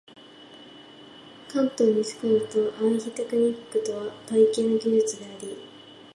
カントに依ると、アルヒテクトニックとは「体系の技術」であり、